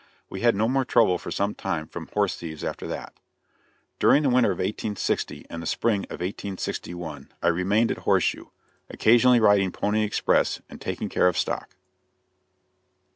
We had no more trouble for some time from horse thieves after that. During the winter of 1860 and the spring of 1861 I remained at Horseshoe, occasionally riding pony express and taking care of stock.